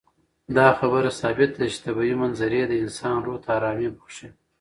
دا خبره ثابته ده چې طبیعي منظرې د انسان روح ته ارامي بښي.